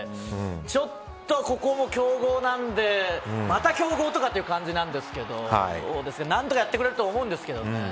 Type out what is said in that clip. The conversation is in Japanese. ちょっとここも強豪なのでまた強豪とかという感じですが何とかやってくれると思うんですけどね。